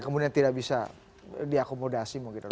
kemudian tidak bisa diakomodasi mungkin